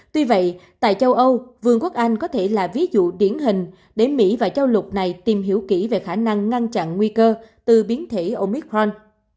tuy vậy tại châu âu vương quốc anh có thể là ví dụ điển hình để mỹ và châu lục này tìm hiểu kỹ về khả năng ngăn chặn nguy cơ từ biến thể omicron